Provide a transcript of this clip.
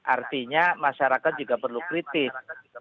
artinya masyarakat juga perlu kritis